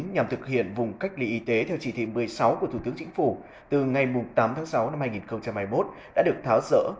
nhằm thực hiện vùng cách ly y tế theo chỉ thị một mươi sáu của thủ tướng chính phủ từ ngày tám tháng sáu năm hai nghìn hai mươi một đã được tháo rỡ